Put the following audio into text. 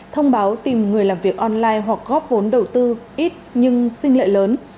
thông báo tìm người làm việc online hoặc góp vốn đầu tư ít nhưng xin lợi lớn